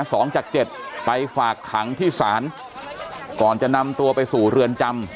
สองจากเจ็ดไปฝากขังที่ศาลก่อนจะนำตัวไปสู่เรือนจำ